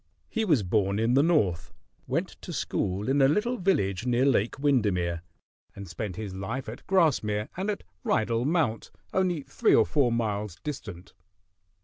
He was born in the North, went to school in a little village near Lake Windermere, and spent his life at Grasmere and at Rydal Mount only three or four miles distant.